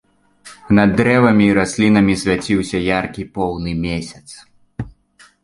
Над дрэвамі і раслінамі свяціўся яркі поўны месяц.